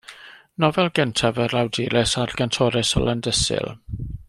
Nofel gyntaf yr awdures a'r gantores o Landysul.